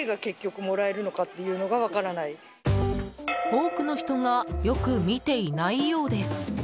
多くの人がよく見ていないようです。